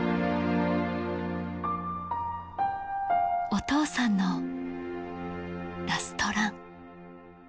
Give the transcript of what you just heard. お父さんのラストラン